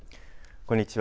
こんにちは。